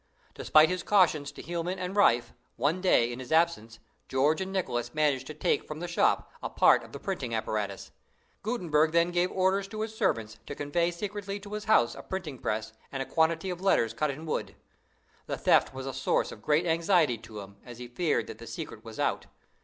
Despite his cautions to Hielman and Riffe, one day, in his absence, George and Nicholas managed to take from the shop a part of the printing apparatus. Gutenberg then gave orders to his servants to convey secretly to his house a printing press and a quantity of letters cut in wood. The theft was a source of great anxiety to him, as he feared that the secret was out.